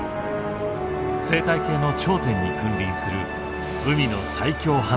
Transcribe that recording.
生態系の頂点に君臨する海の最強ハンターだ。